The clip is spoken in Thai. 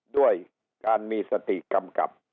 ด้วยการมีสติกำกับ